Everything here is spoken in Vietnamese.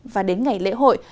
và đến ngày lễ hội